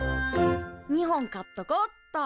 ２本買っとこうっと！